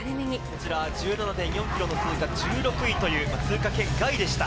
こちら、１７．４キロを通過で、１６位という通過圏外でした。